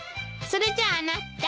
それじゃああなた。